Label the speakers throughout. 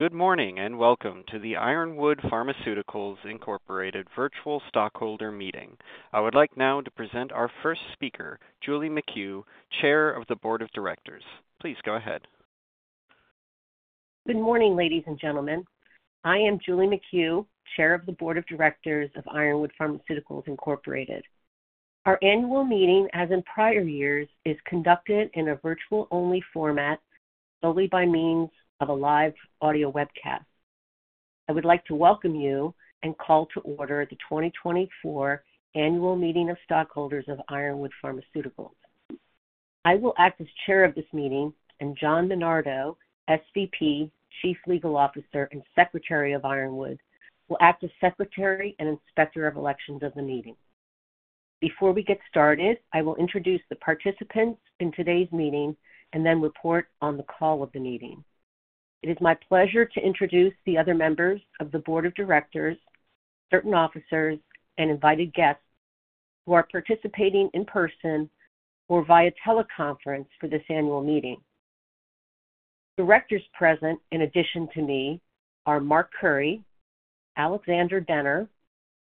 Speaker 1: Good morning and welcome to the Ironwood Pharmaceuticals Incorporated virtual stockholder meeting. I would like now to present our first speaker, Julie McHugh, Chair of the Board of Directors. Please go ahead.
Speaker 2: Good morning, ladies and gentlemen. I am Julie McHugh, Chair of the Board of Directors of Ironwood Pharmaceuticals Incorporated. Our annual meeting, as in prior years, is conducted in a virtual-only format, solely by means of a live audio webcast. I would like to welcome you and call to order the 2024 Annual Meeting of Stockholders of Ironwood Pharmaceuticals. I will act as Chair of this meeting, and John Minardo, SVP, Chief Legal Officer and Secretary of Ironwood, will act as Secretary and Inspector of Elections of the meeting. Before we get started, I will introduce the participants in today's meeting and then report on the call of the meeting. It is my pleasure to introduce the other members of the Board of Directors, certain officers, and invited guests who are participating in person or via teleconference for this annual meeting. Directors present, in addition to me, are Mark Currie, Alexander Denner,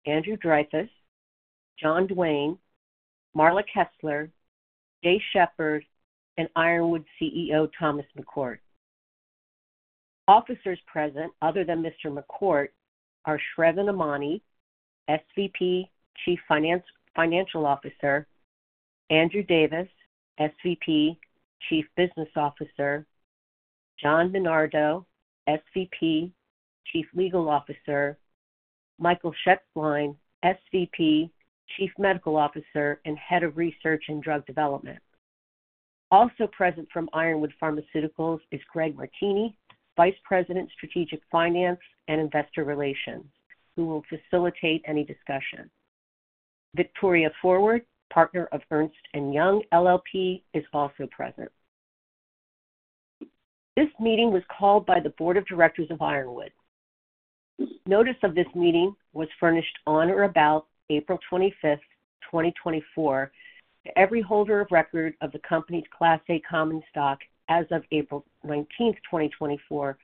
Speaker 2: Andrew Dreyfus, Jon Duane, Marla Kessler, Jay Shepard, and Ironwood CEO Thomas McCourt. Officers present, other than Mr. McCourt, are Sravan Emany, SVP, Chief Financial Officer. Andrew Davis, SVP, Chief Business Officer. John Minardo, SVP, Chief Legal Officer. Michael Shetzline, SVP, Chief Medical Officer and Head of Research and Drug Development. Also present from Ironwood Pharmaceuticals is Greg Martini, Vice President, Strategic Finance and Investor Relations, who will facilitate any discussion. Victoria Ford, partner of Ernst & Young LLP, is also present. This meeting was called by the Board of Directors of Ironwood. Notice of this meeting was furnished on or about April 25th, 2024, to every holder of record of the company's Class A Common Stock as of April 19th, 2024,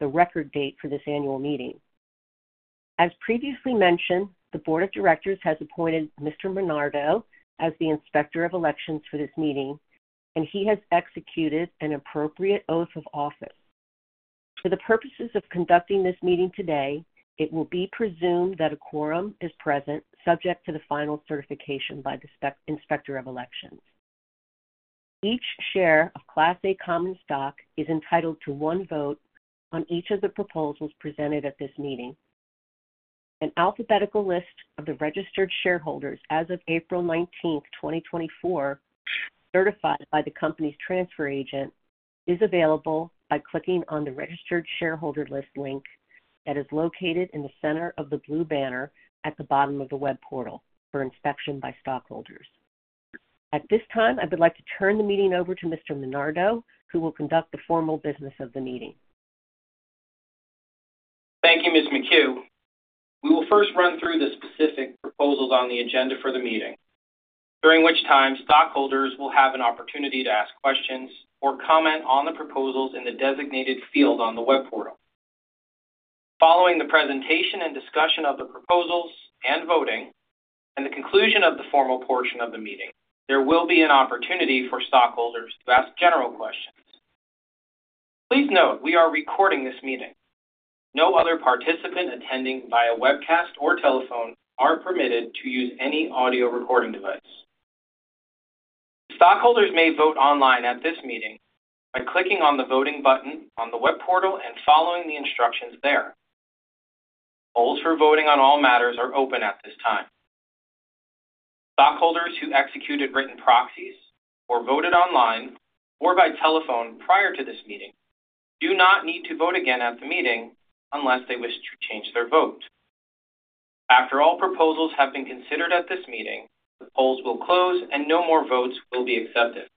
Speaker 2: the record date for this annual meeting. As previously mentioned, the Board of Directors has appointed Mr. Minardo as the Inspector of Elections for this meeting, and he has executed an appropriate oath of office. For the purposes of conducting this meeting today, it will be presumed that a quorum is present, subject to the final certification by the Inspector of Elections. Each share of Class A Common Stock is entitled to one vote on each of the proposals presented at this meeting. An alphabetical list of the registered shareholders as of April 19th, 2024, certified by the company's transfer agent, is available by clicking on the Registered Shareholder List link that is located in the center of the blue banner at the bottom of the Web portal for inspection by stockholders. At this time, I would like to turn the meeting over to Mr. Minardo, who will conduct the formal business of the meeting.
Speaker 3: Thank you, Ms. McHugh. We will first run through the specific proposals on the agenda for the meeting, during which time stockholders will have an opportunity to ask questions or comment on the proposals in the designated field on the web portal. Following the presentation and discussion of the proposals and voting, and the conclusion of the formal portion of the meeting, there will be an opportunity for stockholders to ask general questions. Please note we are recording this meeting. No other participant attending via webcast or telephone are permitted to use any audio recording device. Stockholders may vote online at this meeting by clicking on the voting button on the web portal and following the instructions there. Polls for voting on all matters are open at this time. Stockholders who executed written proxies or voted online or by telephone prior to this meeting do not need to vote again at the meeting unless they wish to change their vote. After all proposals have been considered at this meeting, the polls will close and no more votes will be accepted.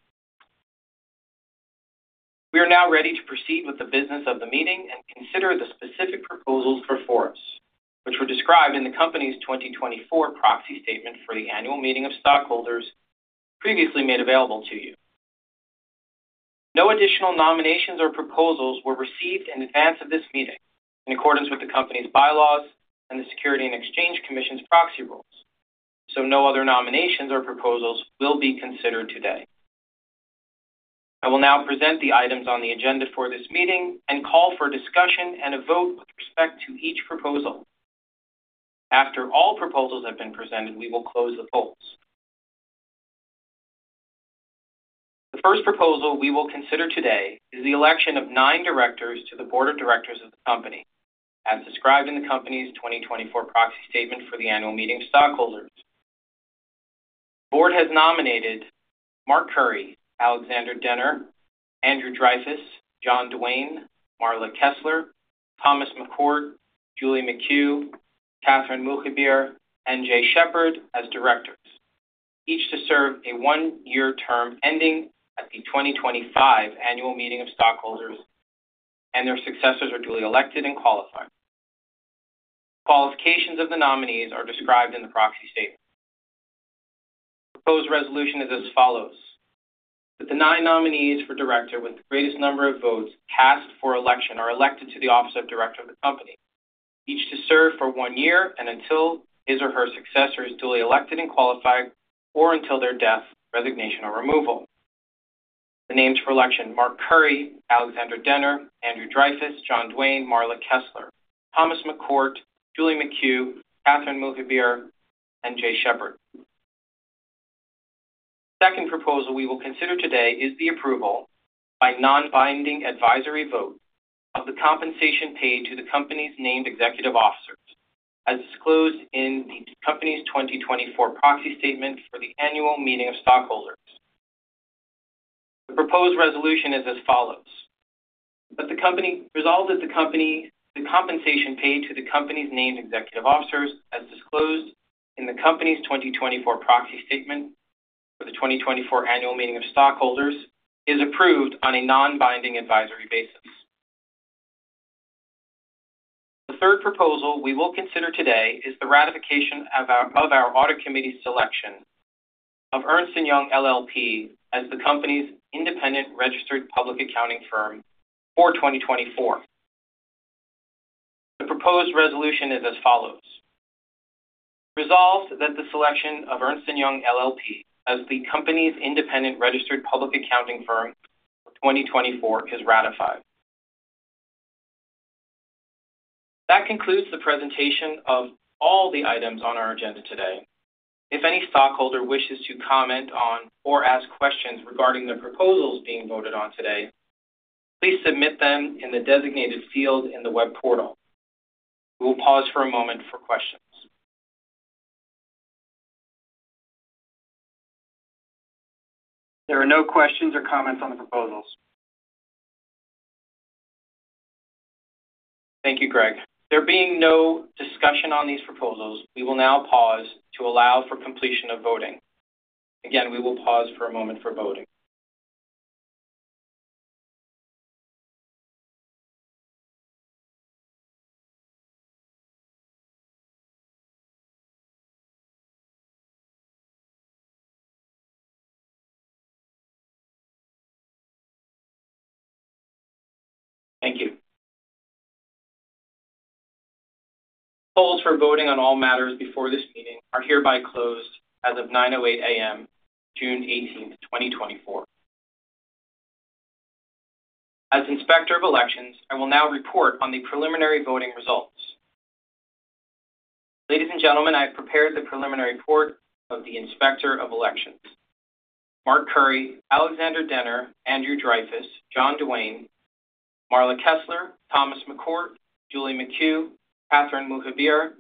Speaker 3: We are now ready to proceed with the business of the meeting and consider the specific proposals for Ironwood, which were described in the company's 2024 proxy statement for the annual meeting of stockholders previously made available to you. No additional nominations or proposals were received in advance of this meeting in accordance with the company's bylaws and the Securities and Exchange Commission's proxy rules, so no other nominations or proposals will be considered today. I will now present the items on the agenda for this meeting and call for discussion and a vote with respect to each proposal. After all proposals have been presented, we will close the polls. The first proposal we will consider today is the election of nine directors to the Board of Directors of the company, as described in the company's 2024 proxy statement for the annual meeting of stockholders. The board has nominated Mark Currie, Alexander Denner, Andrew Dreyfus, Jon Duane, Marla Kessler, Thomas McCourt, Julie McHugh, Catherine Moukheibir, and Jay Shepard as directors, each to serve a one-year term ending at the 2025 Annual Meeting of Stockholders, and their successors are duly elected and qualified. The qualifications of the nominees are described in the proxy statement. The proposed resolution is as follows: that the nine nominees for director with the greatest number of votes cast for election are elected to the office of director of the company, each to serve for one year and until his or her successor is duly elected and qualified, or until their death, resignation, or removal. The names for election: Mark Currie, Alexander Denner, Andrew Dreyfus, Jon Duane, Marla Kessler, Thomas McCourt, Julie McHugh, Catherine Moukheibir, and Jay Shepard. The second proposal we will consider today is the approval by non-binding advisory vote of the compensation paid to the company's named executive officers, as disclosed in the company's 2024 proxy statement for the annual meeting of stockholders. The proposed resolution is as follows: that the company resolves that the compensation paid to the company's named executive officers, as disclosed in the company's 2024 proxy statement for the 2024 Annual Meeting of Stockholders, is approved on a non-binding advisory basis. The third proposal we will consider today is the ratification of our audit committee's selection of Ernst & Young LLP as the company's independent registered public accounting firm for 2024. The proposed resolution is as follows: resolves that the selection of Ernst & Young LLP as the company's independent registered public accounting firm for 2024 is ratified. That concludes the presentation of all the items on our agenda today. If any stockholder wishes to comment on or ask questions regarding the proposals being voted on today, please submit them in the designated field in the web portal. We will pause for a moment for questions. There are no questions or comments on the proposals. Thank you, Greg. There being no discussion on these proposals, we will now pause to allow for completion of voting. Again, we will pause for a moment for voting. Thank you. The polls for voting on all matters before this meeting are hereby closed as of 9:08 A.M. June 18th, 2024. As Inspector of Elections, I will now report on the preliminary voting results. Ladies and gentlemen, I have prepared the preliminary report of the Inspector of Elections. Mark Currie, Alexander Denner, Andrew Dreyfus, Jon Duane, Marla Kessler, Thomas McCourt, Julie McHugh, Catherine Moukheibir,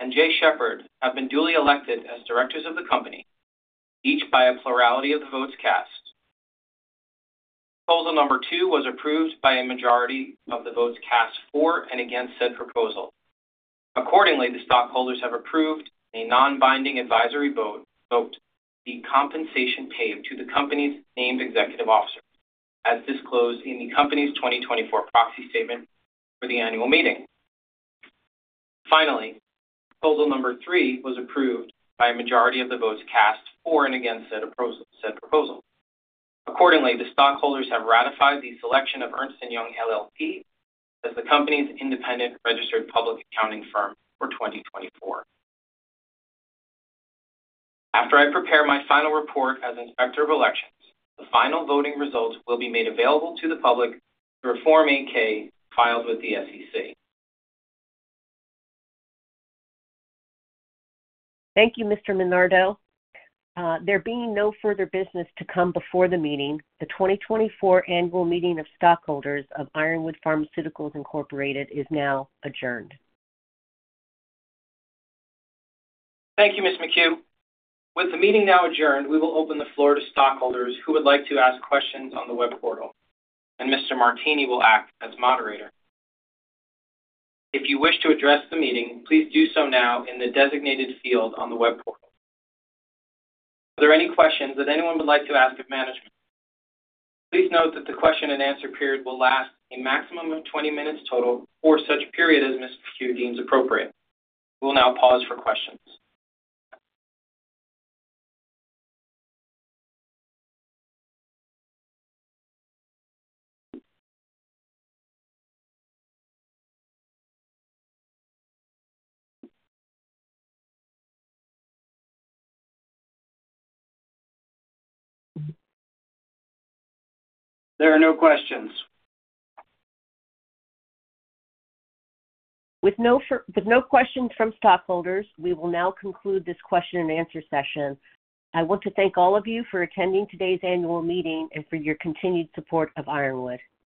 Speaker 3: and Jay Shepard have been duly elected as directors of the company, each by a plurality of the votes cast. Proposal number two was approved by a majority of the votes cast for and against said proposal. Accordingly, the stockholders have approved a non-binding advisory vote of the compensation paid to the company's named executive officers, as disclosed in the company's 2024 proxy statement for the annual meeting. Finally, proposal number 3 was approved by a majority of the votes cast for and against said proposal. Accordingly, the stockholders have ratified the selection of Ernst & Young LLP as the company's independent registered public accounting firm for 2024. After I prepare my final report as Inspector of Elections, the final voting results will be made available to the public through a Form 8-K filed with the SEC.
Speaker 2: Thank you, Mr. Minardo. There being no further business to come before the meeting, the 2024 Annual Meeting of Stockholders of Ironwood Pharmaceuticals Incorporated is now adjourned.
Speaker 3: Thank you, Ms. McHugh. With the meeting now adjourned, we will open the floor to stockholders who would like to ask questions on the web portal, and Mr. Martini will act as moderator. If you wish to address the meeting, please do so now in the designated field on the web portal. Are there any questions that anyone would like to ask of management? Please note that the question-and-answer period will last a maximum of 20 minutes total or such a period as Ms. McHugh deems appropriate. We will now pause for questions. There are no questions.
Speaker 2: With no questions from stockholders, we will now conclude this question-and-answer session. I want to thank all of you for attending today's annual meeting and for your continued support of Ironwood.